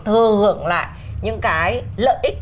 thừa hưởng lại những cái lợi ích